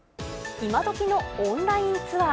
今どきのオンラインツアー。